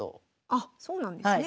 あっそうなんですね。